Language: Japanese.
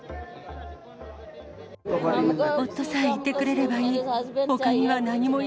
夫さえいてくれればいい。